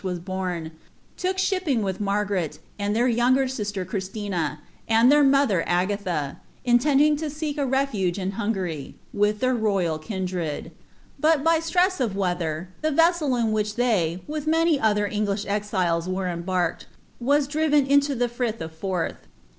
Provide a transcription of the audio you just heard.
was bora,) took shipping with Mugaid, ■nd their younger sister Christina, and their motlier Agatha, intending lo ■eek a refuge in Hungary, wilh their royal kindred j but, by stress of ireather, the vessel in which they, with many other English exiles, wm embarked, was driven into the Friih of Forth.